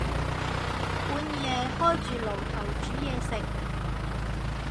半夜開着爐頭煮嘢食